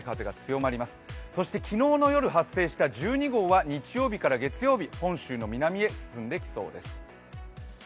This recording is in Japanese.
そして昨日の夜発生した１２号は日曜日から月曜日に本州の南へ進んでいきそうです。